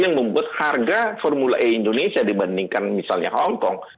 yang membuat harga formula e indonesia dibandingkan misalnya hongkong